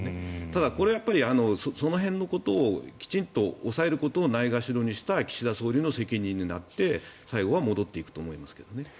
ただ、これはその辺のことをきちんと抑えることをないがしろにした岸田総理の責任になって最後は戻っていくと思いますけどね。